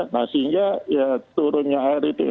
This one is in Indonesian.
nah sehingga ya turunnya air itu